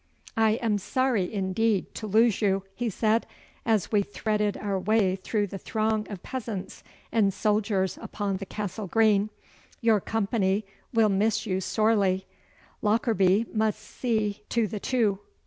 'I am sorry, indeed, to lose you,' he said, as we threaded our way through the throng of peasants and soldiers upon the Castle Green. 'Your company will miss you sorely. Lockarby must see to the two.